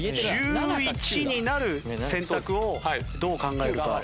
１１になる選択をどう考えるか。